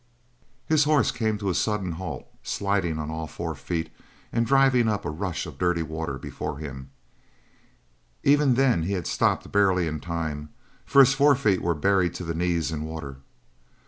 His horse came to a sudden halt, sliding on all four feet and driving up a rush of dirty water before him; even then he had stopped barely in time, for his forefeet were buried to the knees in water.